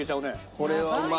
これはうまい。